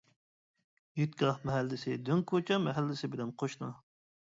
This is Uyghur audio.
ھېيتگاھ مەھەللىسى، دۆڭ كوچا مەھەللىسى بىلەن قوشنا.